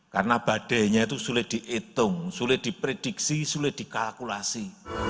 karena badainya itu sulit dihitung sulit diprediksi sulit dikalkulasi